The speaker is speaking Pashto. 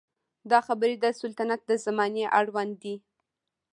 دا خبرې د سلطنت د زمانې اړوند دي.